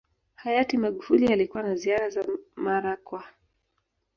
Hayati Magufuli alikuwa na ziara za mara kwa